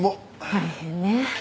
大変ね。